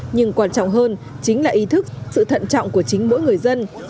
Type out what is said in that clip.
nhưng quan trọng hơn chính là ý thức sự thận trọng của chính mỗi người dân